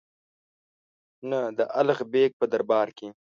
نه د الغ بېګ په دربار کې.